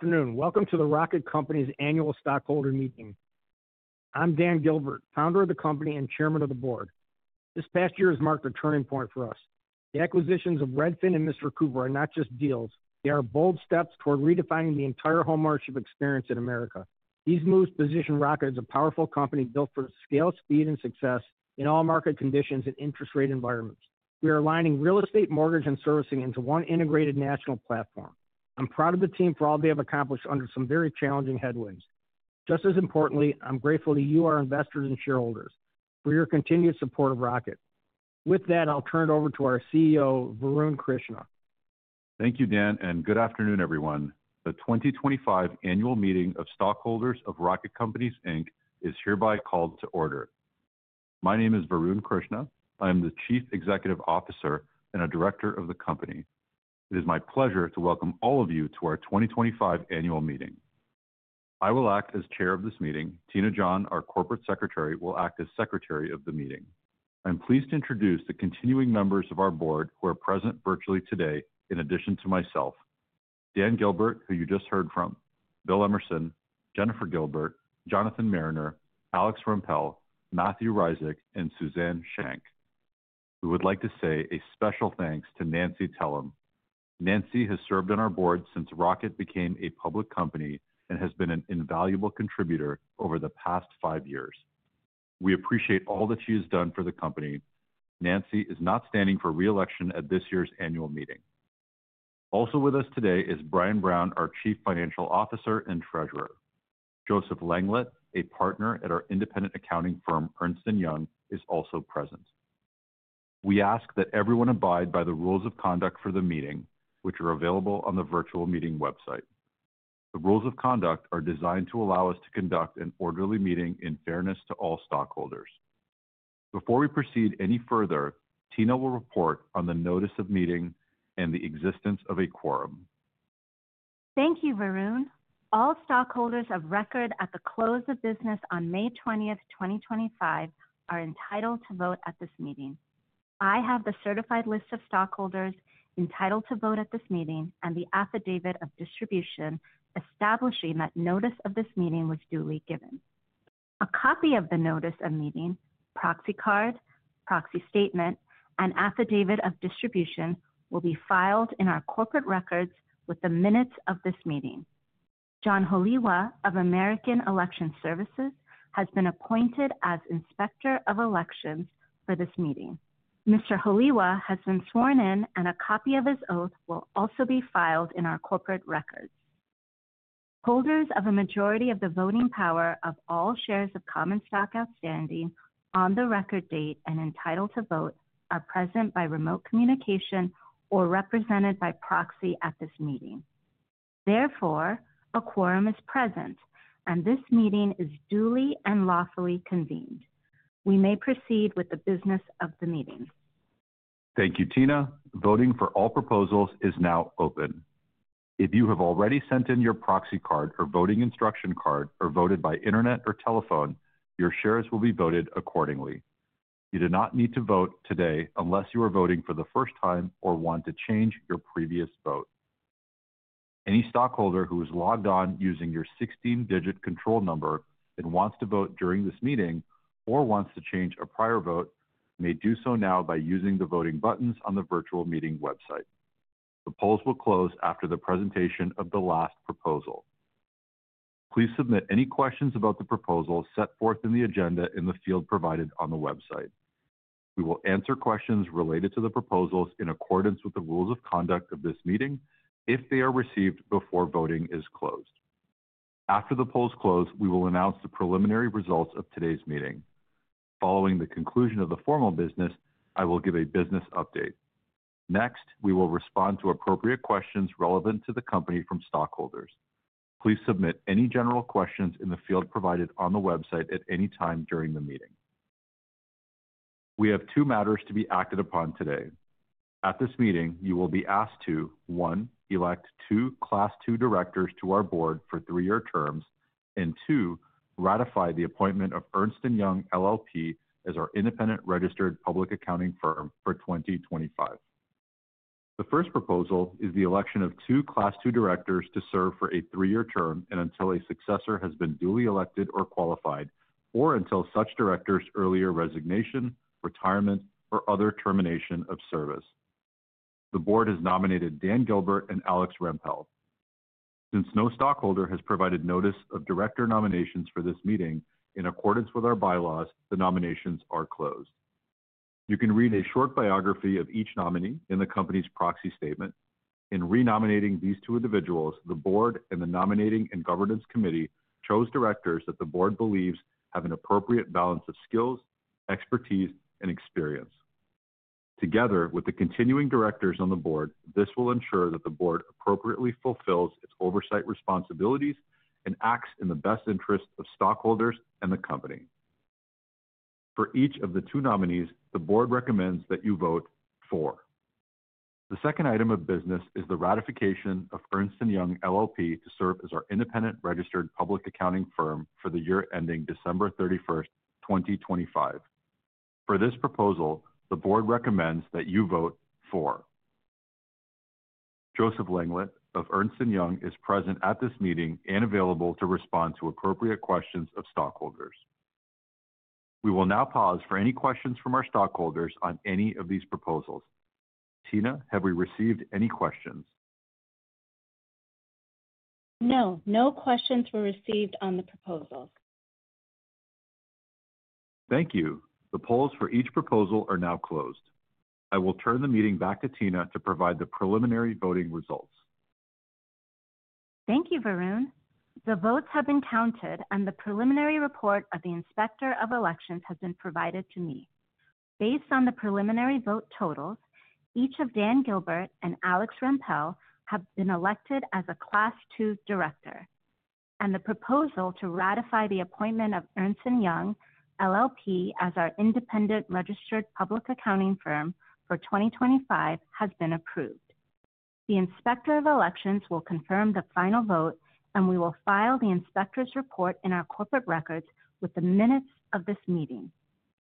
Good afternoon. Welcome to the Rocket Companies' annual stockholder meeting. I'm Dan Gilbert, founder of the company and Chairman of the Board. This past year has marked a turning point for us. The acquisitions of Redfin and Mr. Cooper are not just deals; they are bold steps toward redefining the entire homeownership experience in America. These moves position Rocket as a powerful company built for scale, speed, and success in all market conditions and interest rate environments. We are aligning real estate, mortgage, and servicing into one integrated national platform. I'm proud of the team for all they have accomplished under some very challenging headwinds. Just as importantly, I'm grateful to you, our investors and shareholders, for your continued support of Rocket. With that, I'll turn it over to our CEO, Varun Krishna. Thank you, Dan, and good afternoon, everyone. The 2025 Annual Meeting of Stockholders of Rocket Companies is hereby called to order. My name is Varun Krishna. I am the Chief Executive Officer and a Director of the company. It is my pleasure to welcome all of you to our 2025 Annual Meeting. I will act as Chair of this meeting. Tina John, our Corporate Secretary, will act as Secretary of the meeting. I'm pleased to introduce the continuing members of our board who are present virtually today, in addition to myself: Dan Gilbert, who you just heard from; Bill Emerson; Jennifer Gilbert; Jonathan Mariner; Alex Rampell; Matthew Rizik; and Suzanne Shank. We would like to say a special thanks to Nancy Tellem. Nancy has served on our board since Rocket became a public company and has been an invaluable contributor over the past five years. We appreciate all that she has done for the company. Nancy is not standing for reelection at this year's annual meeting. Also with us today is Brian Brown, our Chief Financial Officer and Treasurer. Joseph Langlet, a partner at our independent accounting firm, Ernst & Young, is also present. We ask that everyone abide by the rules of conduct for the meeting, which are available on the virtual meeting website. The rules of conduct are designed to allow us to conduct an orderly meeting in fairness to all stockholders. Before we proceed any further, Tina will report on the notice of meeting and the existence of a quorum. Thank you, Varun. All stockholders of record at the close of business on May 20, 2025, are entitled to vote at this meeting. I have the certified list of stockholders entitled to vote at this meeting and the affidavit of distribution establishing that notice of this meeting was duly given. A copy of the notice of meeting, proxy card, proxy statement, and affidavit of distribution will be filed in our corporate records with the minutes of this meeting. John Holewa of American Election Services has been appointed as Inspector of Elections for this meeting. Mr. Holewa has been sworn in, and a copy of his oath will also be filed in our corporate records. Holders of a majority of the voting power of all shares of Common Stock outstanding on the record date and entitled to vote are present by remote communication or represented by proxy at this meeting. Therefore, a quorum is present, and this meeting is duly and lawfully convened. We may proceed with the business of the meeting. Thank you, Tina. Voting for all proposals is now open. If you have already sent in your proxy card or voting instruction card or voted by Internet or telephone, your shares will be voted accordingly. You do not need to vote today unless you are voting for the first time or want to change your previous vote. Any stockholder who is logged on using your 16-digit control number and wants to vote during this meeting or wants to change a prior vote may do so now by using the voting buttons on the virtual meeting website. The polls will close after the presentation of the last proposal. Please submit any questions about the proposals set forth in the agenda in the field provided on the website. We will answer questions related to the proposals in accordance with the Rules of Conduct of this meeting if they are received before voting is closed. After the polls close, we will announce the preliminary results of today's meeting. Following the conclusion of the formal business, I will give a business update. Next, we will respond to appropriate questions relevant to the Company from stockholders. Please submit any general questions in the field provided on the website at any time during the meeting. We have two matters to be acted upon today. At this meeting, you will be asked to: one, elect two Class II Directors to our Board for three-year terms, and two, ratify the appointment of Ernst & Young, LLP, as our Independent Registered Public Accounting firm for 2025. The first proposal is the election of two Class II Directors to serve for a three-year term and until a successor has been duly elected or qualified, or until such Director's earlier resignation, retirement, or other termination of service. The Board has nominated Dan Gilbert and Alex Rampell. Since no stockholder has provided notice of Director nominations for this meeting, in accordance with our Bylaws, the nominations are closed. You can read a short biography of each nominee in the Company's Proxy Statement. In renominating these two individuals, the Board and the Nominating and Governance Committee chose Directors that the Board believes have an appropriate balance of skills, expertise, and experience. Together with the continuing Directors on the Board, this will ensure that the Board appropriately fulfills its oversight responsibilities and acts in the best interest of stockholders and the company. For each of the two nominees, the Board recommends that you vote FOR. The second item of business is the ratification of Ernst & Young, LLP, to serve as our Independent Registered Public Accounting Firm for the year ending December 31st, 2025. For this proposal, the Board recommends that you vote FOR. Joseph Langlet of Ernst & Young is present at this meeting and available to respond to appropriate questions of stockholders. We will now pause for any questions from our stockholders on any of these proposals. Tina, have we received any questions? No, no questions were received on the proposals. Thank you. The polls for each proposal are now closed. I will turn the meeting back to Tina to provide the preliminary voting results. Thank you, Varun. The votes have been counted, and the preliminary report of the Inspector of Elections has been provided to me. Based on the preliminary vote totals, each of Dan Gilbert and Alex Rampell have been elected as a Class II Director, and the proposal to ratify the appointment of Ernst & Young, LLP, as our Independent Registered public accounting firm for 2025 has been approved. The Inspector of Elections will confirm the final vote, and we will file the Inspector's Report in our corporate records with the minutes of this meeting.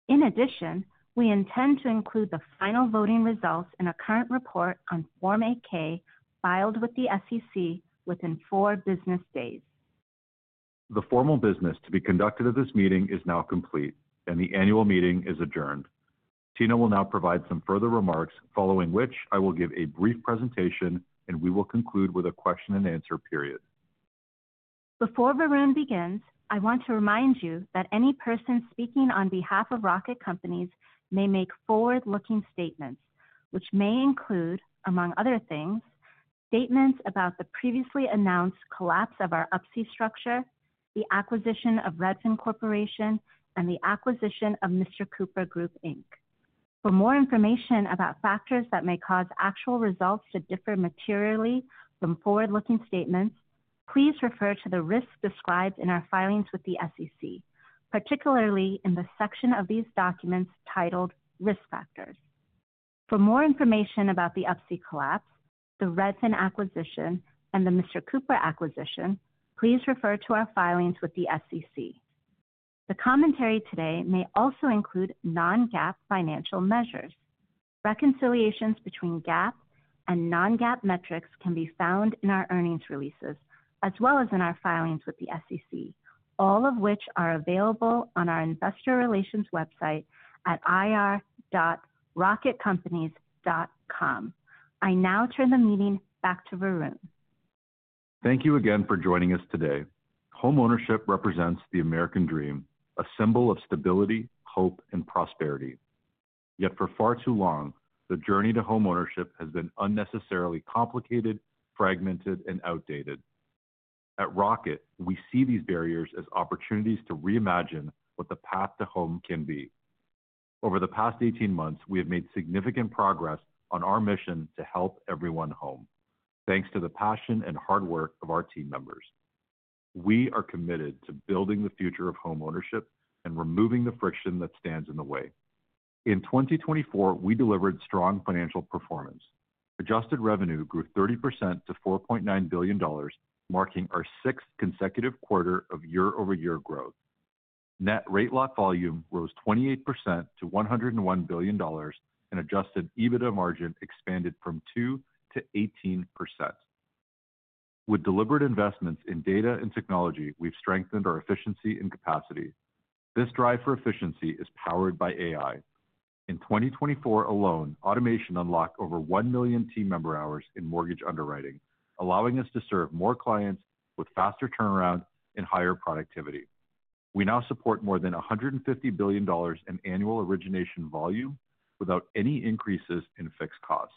In addition, we intend to include the final voting results in a Current Report on Form 8-K filed with the SEC within four business days. The formal business to be conducted at this meeting is now complete, and the Annual Meeting is adjourned. Tina will now provide some further remarks, following which I will give a brief presentation, and we will conclude with a question-and-answer period. Before Varun begins, I want to remind you that any person speaking on behalf of Rocket Companies may make forward-looking statements, which may include, among other things, statements about the previously announced collapse of our UPSI structure, the acquisition of Redfin Corporation, and the acquisition of Mr. Cooper Group, Inc. For more information about factors that may cause actual results to differ materially from forward-looking statements, please refer to the risks described in our filings with the SEC, particularly in the section of these documents titled Risk Factors. For more information about the UPSI collapse, the Redfin acquisition, and the Mr. Cooper acquisition, please refer to our filings with the SEC. The commentary today may also include non-GAAP financial measures. Reconciliations between GAAP and non-GAAP metrics can be found in our earnings releases, as well as in our filings with the SEC, all of which are available on our investor relations website at ir.rocketcompanies.com. I now turn the meeting back to Varun. Thank you again for joining us today. Homeownership represents the American Dream, a symbol of stability, hope, and prosperity. Yet for far too long, the journey to homeownership has been unnecessarily complicated, fragmented, and outdated. At Rocket, we see these barriers as opportunities to reimagine what the path to home can be. Over the past 18 months, we have made significant progress on our mission to help everyone home, thanks to the passion and hard work of our team members. We are committed to building the future of homeownership and removing the friction that stands in the way. In 2024, we delivered strong financial performance. Adjusted revenue grew 30% to $4.9 billion, marking our sixth consecutive quarter of year-over-year growth. Net rate lock volume rose 28% to $101 billion, and adjusted EBITDA margin expanded from 2% to 18%. With deliberate investments in data and technology, we've strengthened our efficiency and capacity. This drive for efficiency is powered by AI. In 2024 alone, automation unlocked over 1 million team member hours in mortgage underwriting, allowing us to serve more clients with faster turnaround and higher productivity. We now support more than $150 billion in annual origination volume without any increases in fixed costs.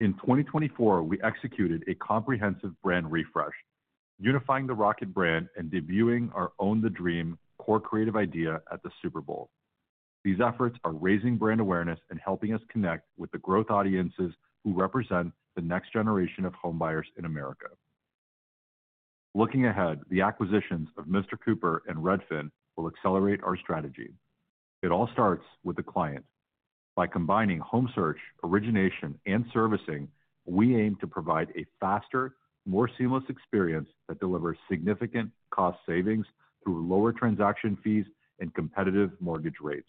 In 2024, we executed a comprehensive brand refresh, unifying the Rocket brand and debuting our own The Dream, core creative idea at the Super Bowl. These efforts are raising brand awareness and helping us connect with the growth audiences who represent the next generation of homebuyers in America. Looking ahead, the acquisitions of Mr. Cooper and Redfin will accelerate our strategy. It all starts with the client. By combining home search, origination, and servicing, we aim to provide a faster, more seamless experience that delivers significant cost savings through lower transaction fees and competitive mortgage rates.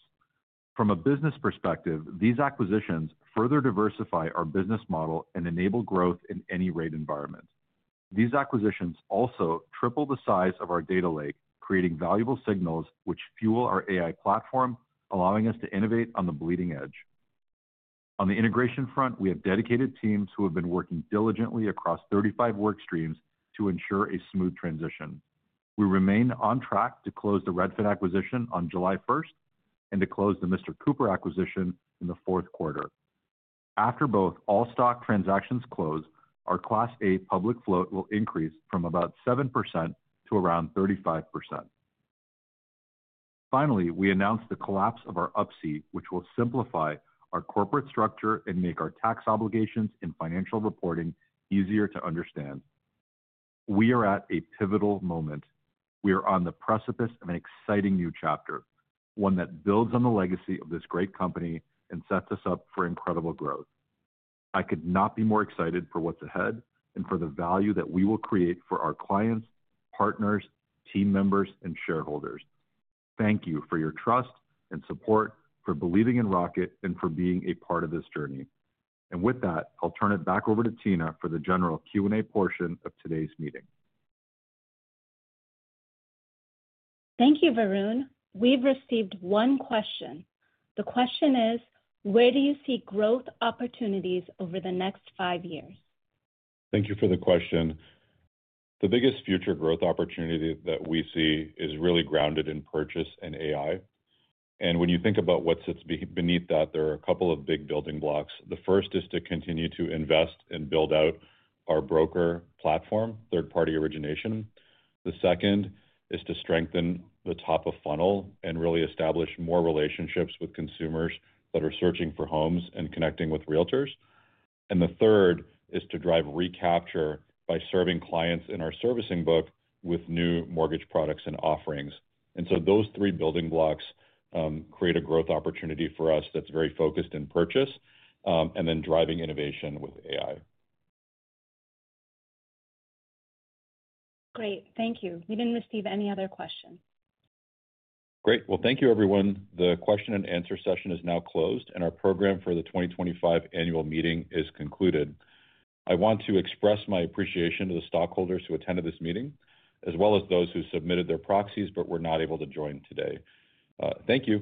From a business perspective, these acquisitions further diversify our business model and enable growth in any rate environment. These acquisitions also triple the size of our data lake, creating valuable signals which fuel our AI platform, allowing us to innovate on the bleeding edge. On the integration front, we have dedicated teams who have been working diligently across 35 workstreams to ensure a smooth transition. We remain on track to close the Redfin acquisition on July 1st and to close the Mr. Cooper acquisition in the fourth quarter. After both all stock transactions close, our Class A public float will increase from about 7% to around 35%. Finally, we announced the collapse of our UPSI, which will simplify our corporate structure and make our tax obligations and financial reporting easier to understand. We are at a pivotal moment. We are on the precipice of an exciting new chapter, one that builds on the legacy of this great Company and sets us up for incredible growth. I could not be more excited for what's ahead and for the value that we will create for our clients, partners, team members, and shareholders. Thank you for your trust and support, for believing in Rocket, and for being a part of this journey. I will turn it back over to Tina for the general Q&A portion of today's meeting. Thank you, Varun. We've received one question. The question is, where do you see growth opportunities over the next five years? Thank you for the question. The biggest future growth opportunity that we see is really grounded in purchase and AI. When you think about what sits beneath that, there are a couple of big building blocks. The first is to continue to invest and build out our broker platform, third-party origination. The second is to strengthen the top of funnel and really establish more relationships with consumers that are searching for homes and connecting with realtors. The third is to drive recapture by serving clients in our servicing book with new mortgage products and offerings. Those three building blocks create a growth opportunity for us that is very focused in purchase and then driving innovation with AI. Great. Thank you. We didn't receive any other questions. Great. Thank you, everyone. The question-and-answer session is now closed, and our program for the 2025 Annual Meeting is concluded. I want to express my appreciation to the stockholders who attended this meeting, as well as those who submitted their proxies but were not able to join today. Thank you.